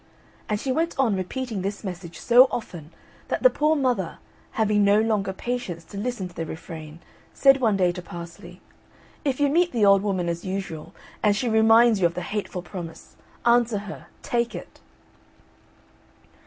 And she went on repeating this message so often that the poor mother, having no longer patience to listen to the refrain, said one day to Parsley, "If you meet the old woman as usual, and she reminds you of the hateful promise, answer her, Take it.'"